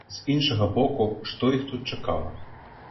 З іншага боку, што іх тут чакала?